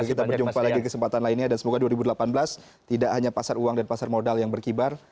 kita berjumpa lagi kesempatan lainnya dan semoga dua ribu delapan belas tidak hanya pasar uang dan pasar modal yang berkibar